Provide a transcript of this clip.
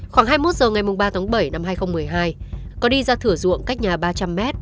khoảng hai mươi một h ngày ba tháng bảy năm hai nghìn một mươi hai có đi ra thửa ruộng cách nhà ba trăm linh m